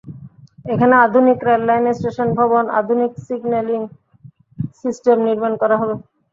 এখানে আধুনিক rail line, station ভবন, আধুনিক সিগন্যালিং সিস্টেম নির্মাণ করা হবে।